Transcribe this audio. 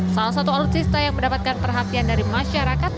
salah satu alutsista yang mendapatkan perhatian dari masyarakat